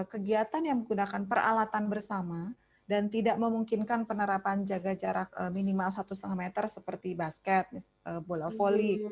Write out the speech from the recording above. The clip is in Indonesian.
kegiatan yang menggunakan peralatan bersama dan tidak memungkinkan penerapan jaga jarak minimal satu lima meter seperti basket bola volley